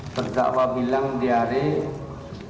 berdakwa bilang di hari ini